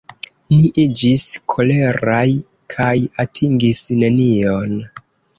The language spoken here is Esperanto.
Ni iĝis koleraj kaj atingis nenion.